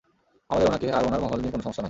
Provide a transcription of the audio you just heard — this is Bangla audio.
আমাদের উনাকে, আর উনার, মহল নিয়ে কোন সমস্যা নাই।